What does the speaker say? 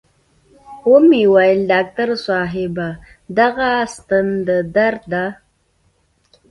و مې ويل ډاکتر صاحب دغه ستن د درد ده.